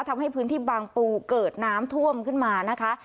ทำให้พื้นที่บางปูเกิดน้ำท่วมขึ้นมานะคะ